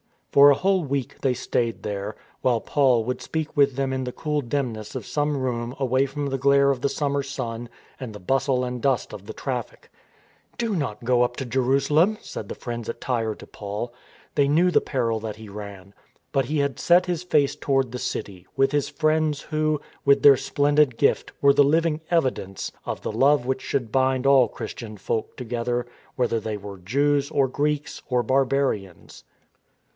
For a whole week they stayed there, while Paul would speak with them in the cool dimness of some room away from the glare of the summer sun and the bustle and dust of the traffic. " Do not go up to Jerusalem," said the friends at Tyre to Paul. They knew the peril that he ran. But he had set his face toward the city, with his friends 284 STORM AND STRESS ^ho — with their splendid gift — were the living evi dence of the love which should bind all Christian folk together, whether they were Jews or Greeks or barbarians.